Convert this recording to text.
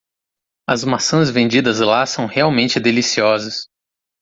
As maçãs vendidas lá são realmente deliciosas.